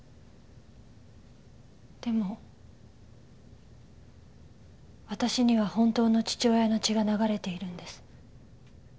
でも私には本当の父親の血が流れているんです。